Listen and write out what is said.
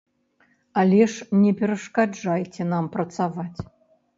Але ж не перашкаджайце нам працаваць.